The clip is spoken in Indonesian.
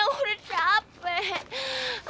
aku udah capek